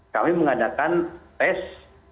kami mengadakan tes